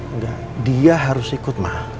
enggak dia harus ikut mahal